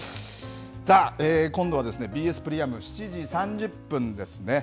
さあ、今度はＢＳプレミアム、７時３０分ですね。